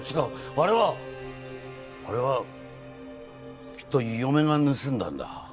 あれはあれはきっと嫁が盗んだんだ。